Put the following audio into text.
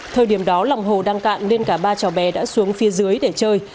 thời điểm đó lòng hồ đang cạn nên cả ba cháu bé đã xuống phía dưới để chơi